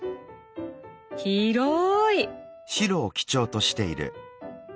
広い！